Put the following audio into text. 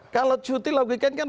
kalau cuti logikan kan